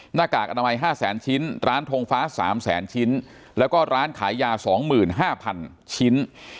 หน้ากากอนามัย๕แสนชิ้นร้านทงฟ้า๓แสนชิ้นแล้วก็ร้านขายยา๒๕๐๐๐ชิ้น